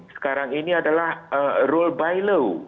sekarang ini adalah rule by law